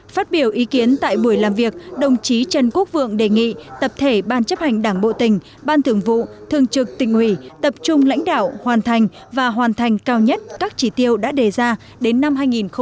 phát biểu ý kiến tại buổi làm việc đồng chí trần quốc vượng đề nghị tập thể ban chấp hành đảng bộ tỉnh ban thường vụ thường trực tỉnh ủy tập trung lãnh đạo hoàn thành và hoàn thành cao nhất các chỉ tiêu đã đề ra đến năm hai nghìn hai mươi